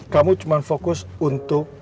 kamu cuma fokus untuk